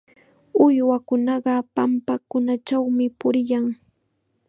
Uywakunaqa pampakunachawmi puriyan.